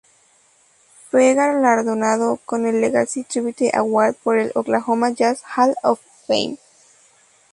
Fue galardonado con el "Legacy Tribute Award" por el "Oklahoma Jazz Hall of Fame".